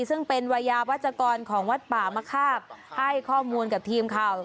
ซึ่งเป็นวัยยาวัชกรของวัดป่ามะคาบให้ข้อมูลกับทีมข่าว